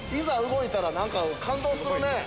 動いたら何か感動するね・